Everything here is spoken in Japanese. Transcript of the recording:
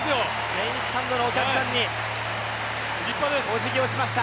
メインスタンドのお客さんにおじぎをしました。